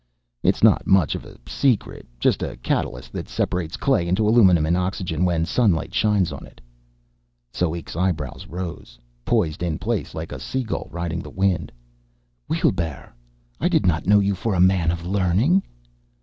"It's not much of a secret. Just a catalyst that separates clay into aluminum and oxygen when sunlight shines on it." Soek's eyebrows rose, poised in place like a seagull riding the wind. "Weelbrrr! I did not know you for a man of learning!"